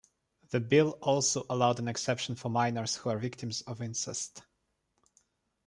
The bill also allowed an exception for minors who are victims of incest.